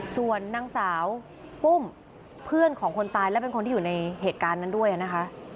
ส่วนนางสาวปุ้มเพื่อนของคนตายและเป็นคนที่อยู่ในเหตุการณ์นั้นด้วยนะคะ